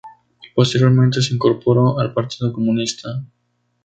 Posteriormente, se incorporó al Partido Comunista.